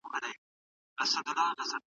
ټولنیز عدالت د ټولو انسانانو غوښتنه ده.